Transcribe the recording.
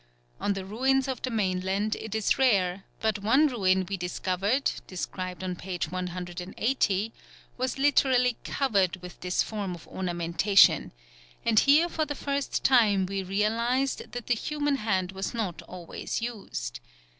On the ruins of the mainland it is rare, but one ruin we discovered, described on p. 180, was literally covered with this form of ornamentation, and here for the first time we realised that the human hand was not always used.